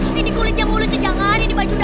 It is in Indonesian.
aduh salah jauh saya kecil juga